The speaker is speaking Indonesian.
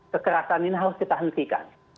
kekerasan ini harus kita hentikan